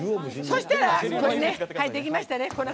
そしたら、できましたね。